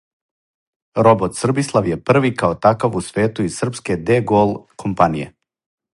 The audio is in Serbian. Робот Србислав је први као такав у свету из Србске ДГолд компаније!